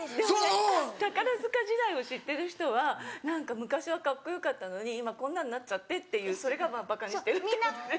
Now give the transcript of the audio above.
宝塚時代を知ってる人は何か「昔はカッコよかったのに今こんなんなっちゃって」っていうそれがばかにしてるってことでしょ？